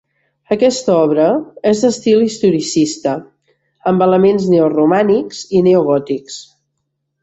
Aquesta obra és d'estil historicista amb elements neoromànics i neogòtics.